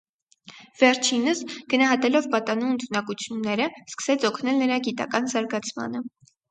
Վերջինս, գնահատելով պատանու ընդունակությունները, սկսեց օգնել նրա գիտական զարգացմանը։